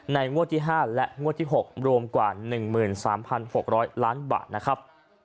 ในงวดที่๖และที่๕รวมกว่า๑หมื่น๓พัน๖๐๐ล้อนบาท